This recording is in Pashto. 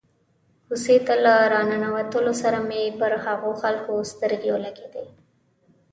کوڅې ته له را ننوتلو سره مې پر هغو خلکو سترګې ولګېدې.